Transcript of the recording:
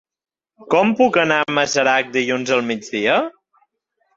Com puc anar a Masarac dilluns al migdia?